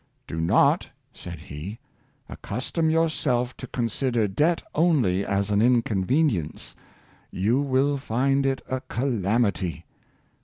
^' Do not," said he, " accustom your self to consider debt only as an inconvenience; you will find it a calamity.